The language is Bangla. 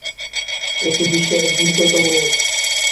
এটি বিশ্বের দীর্ঘতম নদ।